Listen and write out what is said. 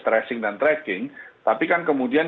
tracing dan tracking tapi kan kemudian